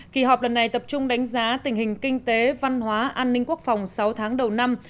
kỳ họp lần này tập trung đánh giá tình hình kinh tế văn hóa an ninh quốc phòng sáu tháng đầu năm